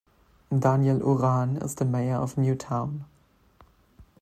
Daniel Uran is the Mayor of New Town.